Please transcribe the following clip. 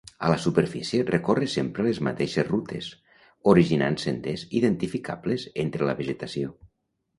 A la superfície recorre sempre les mateixes rutes, originant senders identificables entre la vegetació.